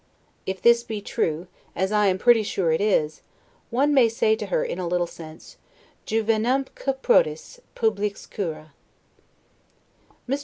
If this be true, as I am pretty sure it is, one may say to her in a little sense, 'juvenumque prodis, publics cura'. Mr.